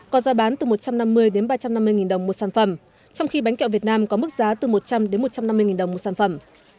có giá bán từ một trăm năm mươi đến ba trăm năm mươi đồng một sản phẩm trong khi bánh kẹo việt nam có mức giá từ một trăm linh một trăm năm mươi đồng một sản phẩm